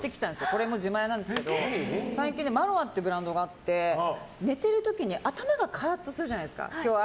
これも自前なんですけど最近、マロウっていうブランドがあって寝てる時に頭が硬くなる時あるじゃないですか。